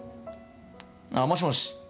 あっ、もしもし。